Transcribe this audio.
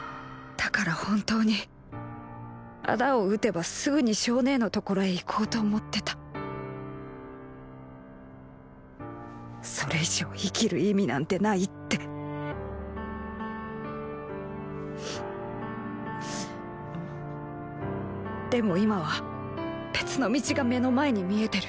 だから本当に仇を討てばすぐに象姉の所へ行こうと思ってたそれ以上生きる意味なんてないってでも今は別の道が目の前に見えてる。